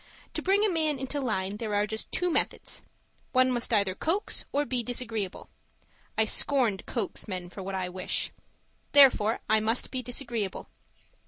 To bring a man into line, there are just two methods: one must either coax or be disagreeable. I scorn to coax men for what I wish. Therefore, I must be disagreeable.